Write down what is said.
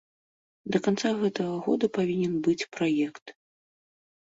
Да канца гэтага года павінен быць праект.